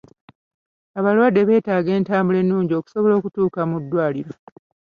Abalwadde beetaaga entambula ennungi okusobola okutuuka mu malwaliro.